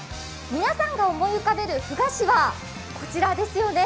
皆さんが思い浮かべるふ菓子はこちらですよね。